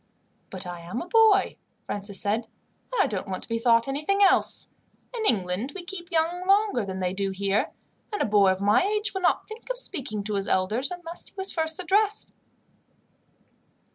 "But I am a boy," Francis said, "and I don't want to be thought anything else. In England we keep young longer than they do here, and a boy of my age would not think of speaking to his elders, unless he was first addressed.